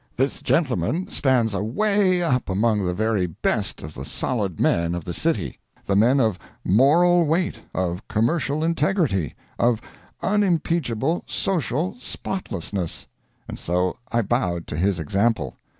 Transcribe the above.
This gentleman stands away up among the very best of the solid men of the city the men of moral weight, of commercial integrity, of unimpeachable social spotlessness and so I bowed to his example.